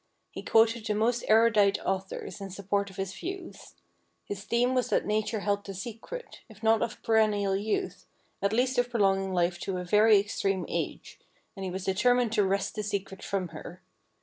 He quoted the most erudite authors in support of his views. His theme was that nature held the secret, if not of perennial youth, at least of prolonging life to a very ex treme age, and he was determined to wrest the secret from her.